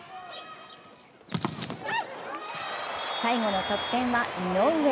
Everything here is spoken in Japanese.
最後の得点は井上。